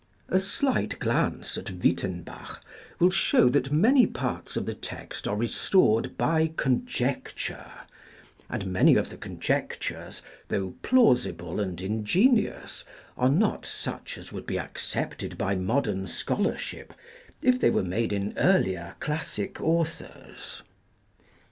A slight glance at Wyttenbach will show that many parts of the text are restored by conjecture ; and many of the conjectures, though plausible and ingenious, are not such as would be ac cepted by modern scholarship if they were made in earlier classic authors.